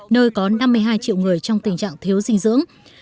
khiến nhiều người trong tình trạng thiếu dinh dưỡng